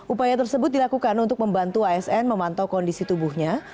upaya tersebut dilakukan untuk membantu asn memantau kondisi tubuhnya